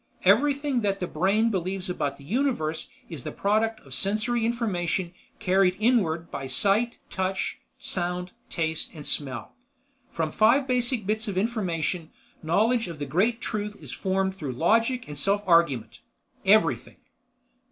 Everything that the brain believes about the Universe is the product of sensory information carried inward by sight, touch, sound, taste and smell. From five basic bits of information, knowledge of the Great Truth is formed through logic and self argument. Everything."